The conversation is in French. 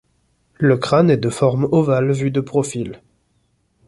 Le crâne est de forme ovale vu de profil.